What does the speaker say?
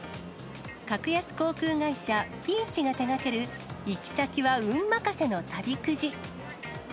格安航空会社、Ｐｅａｃｈが手がける、行き先は運任せの旅くじ。